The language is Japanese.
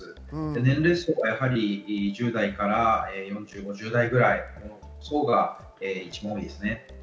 年齢層は１０代から４０、５０代ぐらいの層が一番多いです。